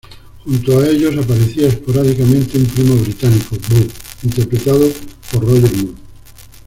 Junto a ellos aparecía esporádicamente un primo británico, Beau, interpretado por Roger Moore.